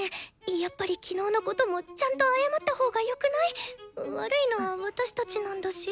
やっぱり昨日のこともちゃんと謝ったほうがよくない？悪いのは私たちなんだし。